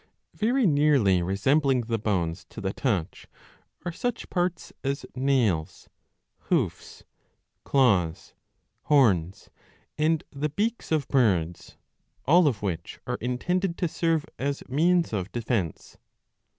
Very nearly resembling the bones to the touch ^^ are such parts as nails, hoofs, claws, horns, and the beaks of birds, all of which are intended to serve as means of defence.